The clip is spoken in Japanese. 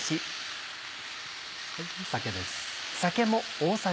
酒です。